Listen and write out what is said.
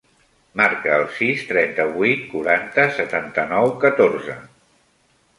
Marca el sis, trenta-vuit, quaranta, setanta-nou, catorze.